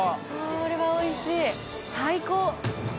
これはおいしい最高！